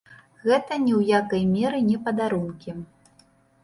Гэта ні ў якай меры не падарункі.